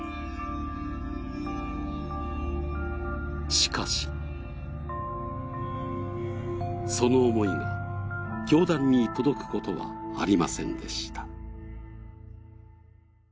しかしその思いが教団に届くことはありませんでした。